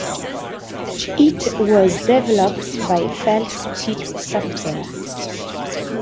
It was developed by Felt Tip Software.